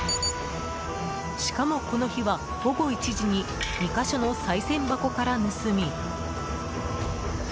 しかも、この日は午後１時に２か所のさい銭箱から盗み。